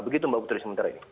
begitu mbak putri sementara ini